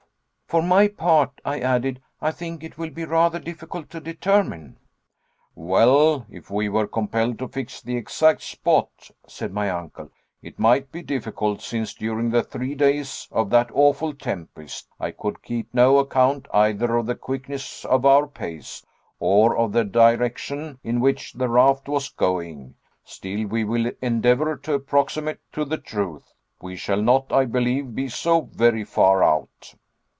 "For my part," I added, "I think it will be rather difficult to determine." "Well, if we were compelled to fix the exact spot," said my uncle, "it might be difficult, since during the three days of that awful tempest I could keep no account either of the quickness of our pace, or of the direction in which the raft was going. Still, we will endeavor to approximate to the truth. We shall not, I believe, be so very far out."